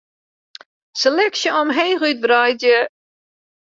Seleksje omheech útwreidzje.